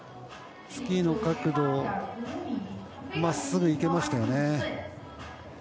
スキーの角度真っすぐ行けましたよね。